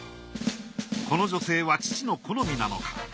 この女性は父の好みなのか。